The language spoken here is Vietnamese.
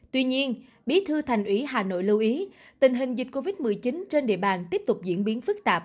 tuy nhiên bí thư thành ủy hà nội lưu ý tình hình dịch covid một mươi chín trên địa bàn tiếp tục diễn biến phức tạp